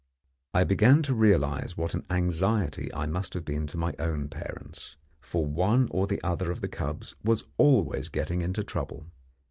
I began to realize what an anxiety I must have been to my own parents, for one or the other of the cubs was always getting into trouble.